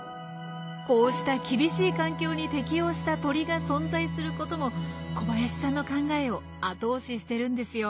こうした厳しい環境に適応した鳥が存在することも小林さんの考えを後押ししてるんですよ。